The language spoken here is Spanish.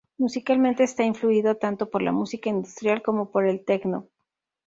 Musicalmente, está influido tanto por la música industrial como por el techno.